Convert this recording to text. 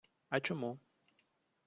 А чому?